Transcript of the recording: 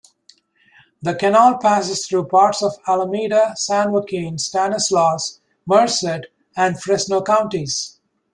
The canal passes through parts of Alameda, San Joaquin, Stanislaus, Merced, and Fresno counties.